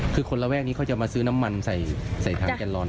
คือคนระแวกนี้เขาจะมาซื้อน้ำมันใส่ถังแกนลอน